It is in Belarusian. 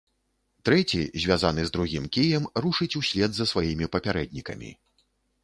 Трэці, звязаны з другім кіем, рушыць услед за сваімі папярэднікамі.